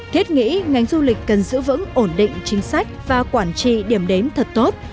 thiết nghĩ ngành du lịch cần giữ vững ổn định chính sách và quản trị điểm đến thật tốt